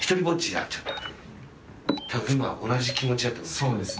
そうですね。